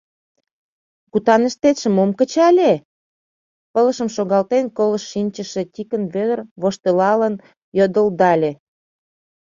— Кутаныштетше мом кычале? — пылышым шогалтен колышт шинчыше Тикын Вӧдыр воштылалын йодылдале.